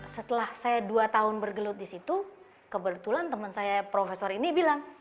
setelah saya dua tahun bergelut di situ kebetulan teman saya profesor ini bilang